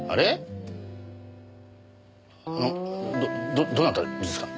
あのどどなたですか？